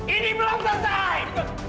ini belum selesai